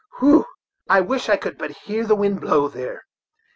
Whew! I wish you could but hear the wind blow there.